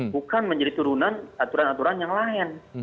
bukan menjadi turunan aturan aturan yang lain